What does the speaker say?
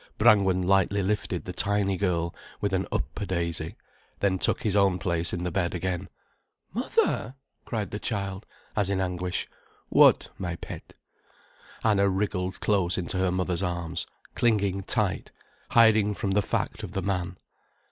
Brangwen lightly lifted the tiny girl, with an "up a daisy", then took his own place in the bed again. "Mother!" cried the child, as in anguish. "What, my pet?" Anna wriggled close into her mother's arms, clinging tight, hiding from the fact of the man.